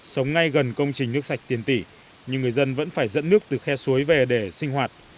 sống ngay gần công trình nước sạch tiền tỷ nhưng người dân vẫn phải dẫn nước từ khe suối về để sinh hoạt